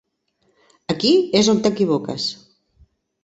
Aquí és on t'equivoques.